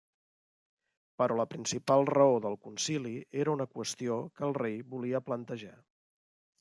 Però la principal raó del Concili era una qüestió que el rei volia plantejar.